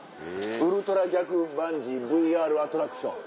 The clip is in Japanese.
「ウルトラ逆バンジーＶＲアトラクション。